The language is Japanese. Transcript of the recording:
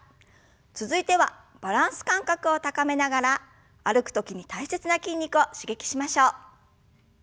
続いてはバランス感覚を高めながら歩く時に大切な筋肉を刺激しましょう。